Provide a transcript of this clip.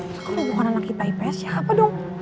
itu kan lo bukan anak ipa ips siapa dong